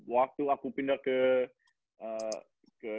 waktu aku pindah ke